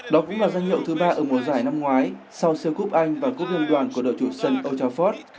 đó cũng là danh hiệu thứ ba ở mùa giải năm ngoái sau siêu cúp anh và cúp đơn đoàn của đội chủ sân old trafford